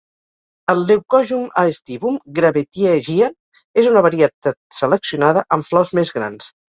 El "Leucojum aestivum" "'Gravetye Giant" és una varietat seleccionada amb flors més grans.